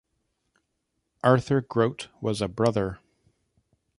Arthur Grote was a brother.